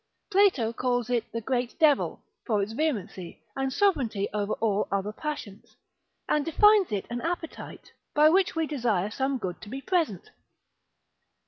Plato calls it the great devil, for its vehemency, and sovereignty over all other passions, and defines it an appetite, by which we desire some good to be present.